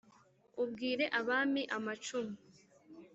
ubwire abami amacumu